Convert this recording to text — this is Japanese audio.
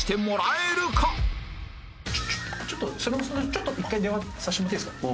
ちょっと１回電話させてもらっていいですか？